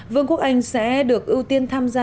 vương quốc anh sẽ được ưu tiên tham gia